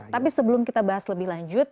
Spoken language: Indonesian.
tapi sebelum kita bahas lebih lanjut